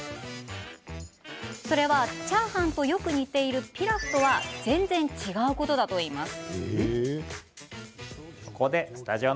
それは、チャーハンとよく似ているピラフとも全然、違うことだといいますが。